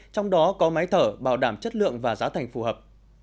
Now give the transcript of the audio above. trong đó có máy thở bảo đảm chất lượng và giá thành phù hợp